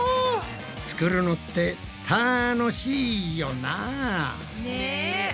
作るのってたのしいよな。ね！